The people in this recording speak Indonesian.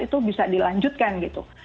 itu bisa dilanjutkan gitu